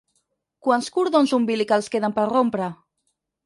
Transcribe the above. Quants cordons umbilicals queden per rompre?